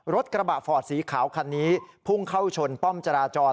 รถกระบะฟอร์ดสีขาวคันนี้พุ่งเข้าชนป้อมจราจร